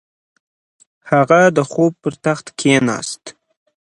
هغه د خوب پر تخت کیناست.